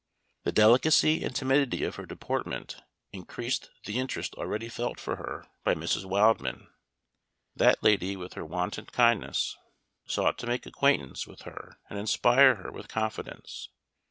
The delicacy and timidity of her deportment increased the interest already felt for her by Mrs. Wildman. That lady, with her wonted kindness, sought to make acquaintance with her, and inspire her with confidence.